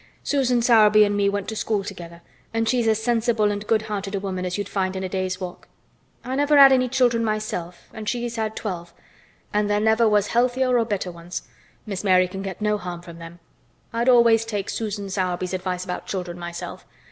"Susan Sowerby and me went to school together and she's as sensible and good hearted a woman as you'd find in a day's walk. I never had any children myself and she's had twelve, and there never was healthier or better ones. Miss Mary can get no harm from them. I'd always take Susan Sowerby's advice about children myself.